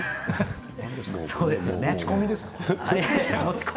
持ち込みですか？